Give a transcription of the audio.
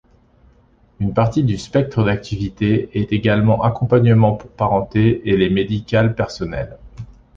Une partie du spectre d'activité est également accompagnement pour parenté et les médical personnel.